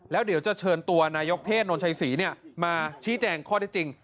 แล้วเดี๋ยวจะเชิญตัวนายกเทศนนชัยศรีมาชี้แจงข้อได้จริง